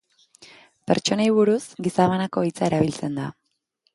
Pertsonei buruz, gizabanako hitza erabiltzen da.